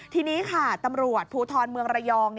ทีนี้ค่ะตำรวจภูทรเมืองระยอง